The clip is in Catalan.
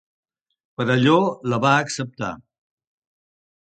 Perelló la va acceptar.